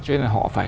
cho nên là họ phải